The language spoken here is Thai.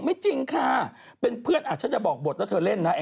ไม่จริงค่ะเป็นเพื่อนอาจจะบอกบ่นจะเซ็ทนา